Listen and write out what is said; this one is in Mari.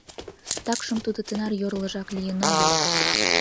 Такшым тудо тынар йорлыжак лийын огыл.